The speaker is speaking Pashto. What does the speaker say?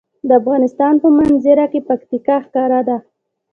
د افغانستان په منظره کې پکتیکا ښکاره ده.